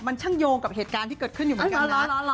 มันช่างโยงกับเหตุการณ์ที่เกิดขึ้นอยู่เหมือนกัน